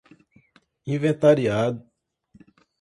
inventariado